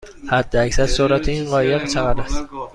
حداکثر سرعت این قایق چقدر است؟